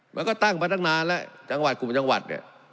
มันก็ตั้งมาตั้งนานแล้วจังหวัดกลุ่มจังหวัดเนี่ย